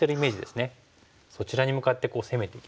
そちらに向かって攻めていきます。